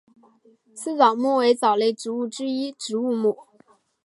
丝藻目为藻类植物之一植物目。